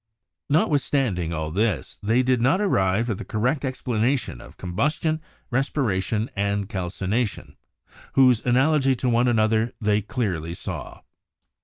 Notwithstanding all this, they did not arrive at the cor rect explanation of combustion, respiration and calcina tion, whose analogy to one another they clearly saw.